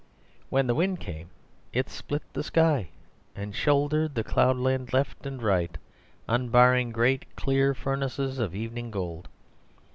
When the wind came it split the sky and shouldered the cloudland left and right, unbarring great clear furnaces of evening gold.